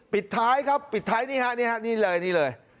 ปิดท้ายครับปิดท้ายนี่ฮะนี่ฮะนี่เลยนี่เลย